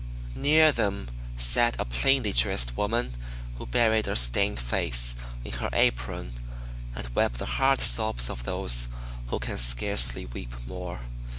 Near them sat a plainly dressed woman who buried her stained face in her apron, and wept the hard sobs of those who can scarcely weep more.